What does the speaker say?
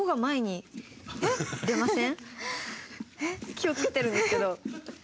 気をつけてるんですけど。